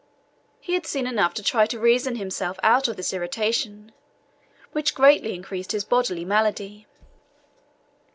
He had seen enough to try to reason himself out of this irritation, which greatly increased his bodily malady.